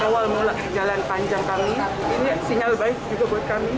awal mula jalan panjang kami ini sinyal baik juga buat kami